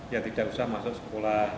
ya tidak usah masuk sekolah